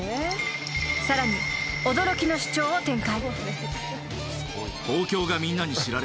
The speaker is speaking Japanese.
［さらに驚きの主張を展開］